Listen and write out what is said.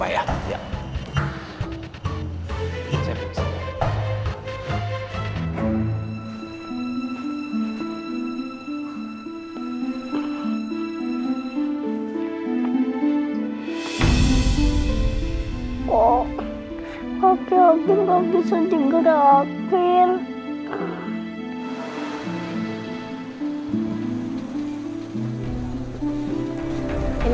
pak aku gak bisa tinggal di akil